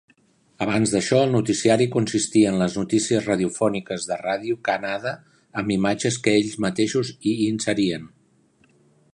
Abans d'això, el noticiari consistia en les notícies radiofòniques de Radio Canada amb imatges que ells mateixos hi inserien.